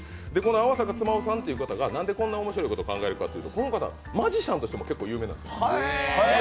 泡坂妻夫さんという方が何でこんな面白いことを考えたかというとこの方はマジシャンとしても結構有名なんです。